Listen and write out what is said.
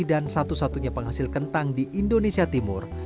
dan satu satunya penghasil kentang di indonesia timur